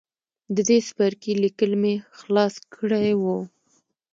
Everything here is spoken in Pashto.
د دې څپرکي ليکل مې خلاص کړي وو.